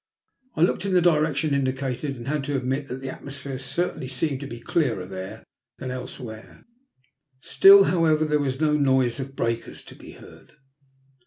I looked in the direction indicated and had to admit that the atmosphere certainly seemed to be clearer there than elsewhere. Still, however, there was no noise of breakers to be heard.